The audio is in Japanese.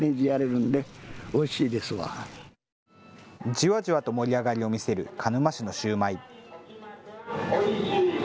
じわじわと盛り上がりを見せる鹿沼市のシューマイ。